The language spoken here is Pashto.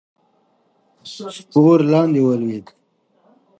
سپور لاندې ولوېد.